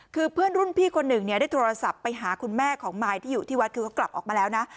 คือเพื่อนรุ่นพี่คนหนึ่งเนี่ยได้โทรศัพท์ไปหาคุณแม่ของมายที่อยู่ที่วัดคือเขากลับออกมาแล้วนะ